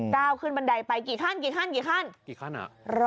เจ้าขึ้นบันไดไปกี่ท่าน